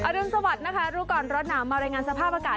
รุนสวัสดิ์นะคะรู้ก่อนร้อนหนาวมารายงานสภาพอากาศ